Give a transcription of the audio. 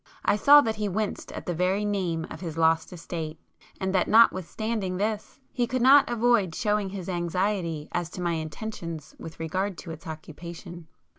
I saw that he winced at the very name of his lost estate, and that notwithstanding this, he could not avoid showing his anxiety as to my intentions with regard to its occupation.